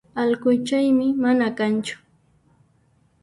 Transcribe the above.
Allquchaymi mana kanchu